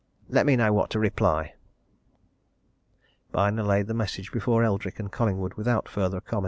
Let me know what to reply!'" Byner laid the message before Eldrick and Collingwood without further comment.